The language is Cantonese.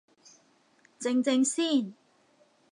靜靜先